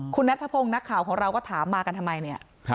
คุณนัทธพงศ์นักข่าวของเราก็ถามมากันทำไมเนี่ย